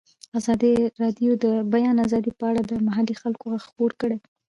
ازادي راډیو د د بیان آزادي په اړه د محلي خلکو غږ خپور کړی.